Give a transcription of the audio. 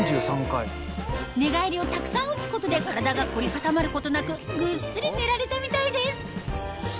寝返りをたくさんうつことで体が凝り固まることなくぐっすり寝られたみたいですオススメです